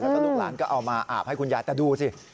แล้วก็ลูกหลานก็เอามาอาบให้คุณยายแต่ดูสิ